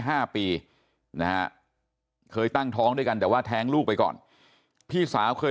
ห้าปีนะฮะเคยตั้งท้องด้วยกันแต่ว่าแท้งลูกไปก่อนพี่สาวเคย